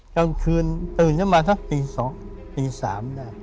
กลางคืนตื่นจะมาถ้าปีสองปีสาม